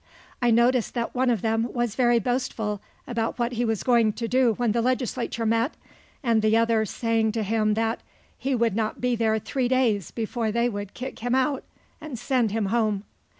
I noticed that one of them was very boastful about what he was going to do when the legislature met, and the other saying to him that "he would not be there three days before they would kick him out and send him home."